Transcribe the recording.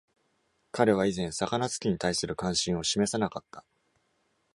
彼は以前、魚突きに対する関心を示さなかった。